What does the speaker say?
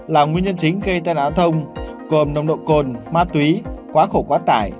là nguyên nhân chính gây tai nạn giao thông gồm nồng độ cồn ma túy quá khổ quá tải